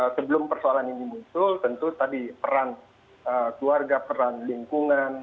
sebelum persoalan ini muncul tentu tadi peran keluarga peran lingkungan